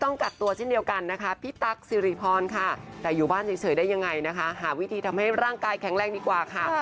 แต่อยู่บ้านเฉยได้ยังไงนะคะหาวิธีทำให้ร่างกายแข็งแรงดีกว่าค่ะ